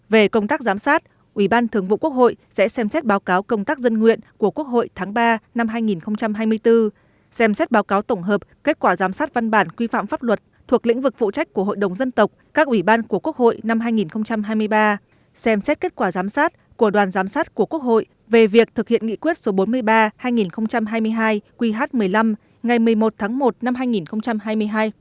về công tác giám sát ủy ban thường vụ quốc hội sẽ xem xét báo cáo công tác dân nguyện của quốc hội tháng ba năm hai nghìn hai mươi bốn xem xét báo cáo tổng hợp kết quả giám sát văn bản quy phạm pháp luật thuộc lĩnh vực phụ trách của hội đồng dân tộc các ủy ban của quốc hội năm hai nghìn hai mươi ba xem xét kết quả giám sát của đoàn giám sát của quốc hội về việc thực hiện nghị quyết số bốn mươi ba hai nghìn hai mươi hai qh một mươi năm ngày một mươi một tháng một năm hai nghìn hai mươi hai của quốc hội